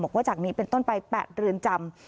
ว่าจากนี้เป็นต้นไป๘เรือนจำ